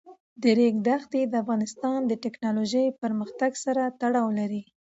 د ریګ دښتې د افغانستان د تکنالوژۍ پرمختګ سره تړاو لري.